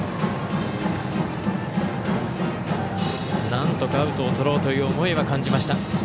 なんとかアウトをとろうという思いは感じました。